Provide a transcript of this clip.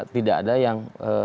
tidak ada yang